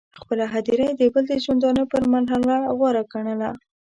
خپله هدیره یې د بل د ژوندانه پر محله غوره ګڼله.